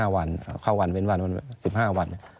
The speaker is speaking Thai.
๕วันเข้าวันเว้นวัน๑๕วัน